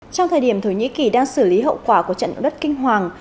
trong thời điểm thổ nhĩ kỳ đang xử lý hậu quả của trận động đất kinh hoàng